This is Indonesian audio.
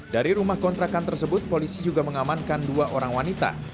dari rumah kontrakan tersebut polisi juga mengamankan dua orang wanita